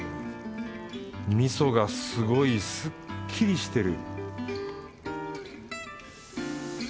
味噌がすごいすっきりしてる